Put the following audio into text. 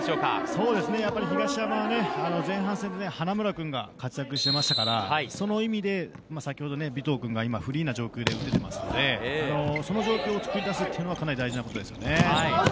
やっぱり東山は前半戦で花村君が活躍してましたから、その意味で先ほど尾藤君がフリーな状況で打ててますからその状況を作り出すというのはかなり大事なことですね。